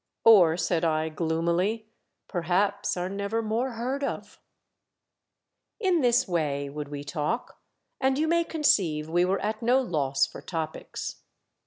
"Or," said I, gloomily, "perhaps are never more heard of." In this way would we talk, and you may conceive we were at no loss for topics.